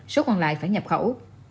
số còn lại phải nhập khẩu